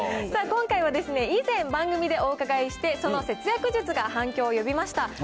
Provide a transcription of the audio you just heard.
さあ、今回は以前、番組でお伺いして、その節約術が反響を呼びました